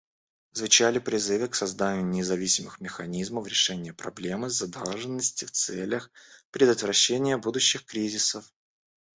Звучали призывы к созданию независимых механизмов решения проблемы задолженности в целях предотвращения будущих кризисов.